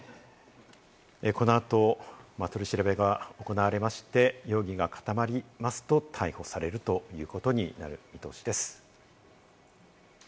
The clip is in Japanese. この後、取り調べが行われまして、容疑が固まりますと逮捕されるということになる見通しです。